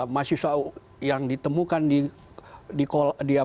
mas yusuf yang ditemukan di